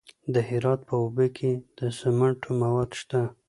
د هرات په اوبې کې د سمنټو مواد شته.